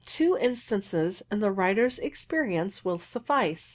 Two instances in the writer's experi ence will suffice.